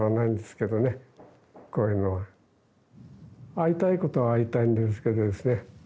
会いたいことは会いたいんですけどね